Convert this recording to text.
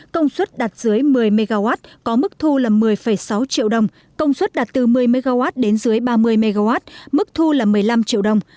công suất đặt dưới một mươi mw có mức thu là một mươi sáu triệu đồng công suất đặt từ một mươi mw đến dưới ba mươi mw mức thu là một mươi năm triệu đồng